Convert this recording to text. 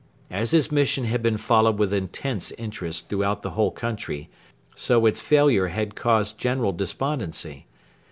As his mission had been followed with intense interest throughout the whole country, so its failure had caused general despondency.